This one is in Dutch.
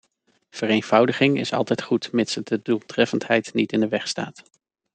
Vereenvoudiging is altijd goed mits het de doeltreffendheid niet in de weg staat.